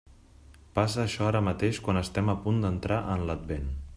Passa això ara mateix quan estem a punt d'entrar en l'Advent.